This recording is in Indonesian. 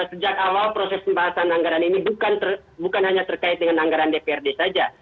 sejak awal proses pembahasan anggaran ini bukan hanya terkait dengan anggaran dprd saja